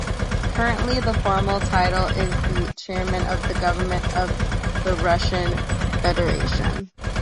Currently, the formal title is the Chairman of the Government of the Russian Federation.